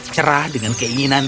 cerah dengan keinginan